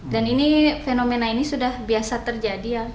dan fenomena ini sudah biasa terjadi